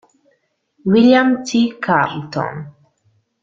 William T. Carleton